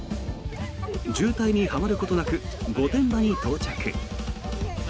渋滞にはまることなく御殿場に到着。